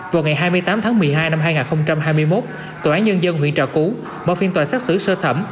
vào ngày hai mươi tám tháng một mươi hai năm hai nghìn hai mươi một tòa án nhân dân huyện trà cú mở phiên tòa xét xử sơ thẩm